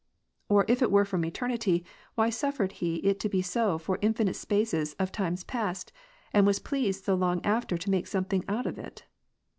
Or if it were from eternity, why suffered He it so to be for infinite spaces of times past, and was pleased so long after to make something out of it